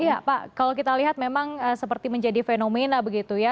iya pak kalau kita lihat memang seperti menjadi fenomena begitu ya